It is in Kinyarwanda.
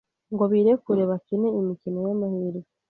ngo birekure bakine imikino y’amahirwe